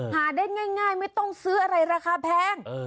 หาได้ง่ายไม่ต้องซื้ออะไรราคาแพง